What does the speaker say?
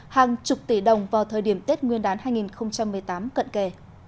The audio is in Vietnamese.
hàng chục tỷ đồng vào thời điểm tết nguyên đán hai nghìn một mươi tám cận kề